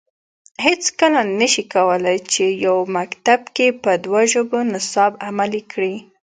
هیڅکله نه شي کولای چې یو مکتب کې په دوه ژبو نصاب عملي کړي